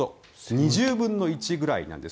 ２０分の１ぐらいなんです。